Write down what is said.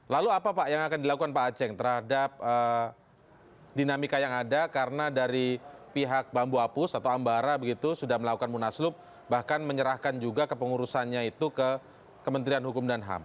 lalu apa pak yang akan dilakukan pak aceh terhadap dinamika yang ada karena dari pihak bambu apus atau ambara begitu sudah melakukan munaslup bahkan menyerahkan juga kepengurusannya itu ke kementerian hukum dan ham